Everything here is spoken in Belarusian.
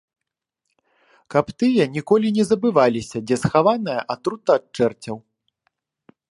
Каб тыя ніколі не забываліся, дзе схаваная атрута ад чэрцяў.